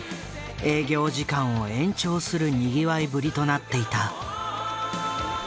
営業時間を延長するにぎわいぶりとなっていた。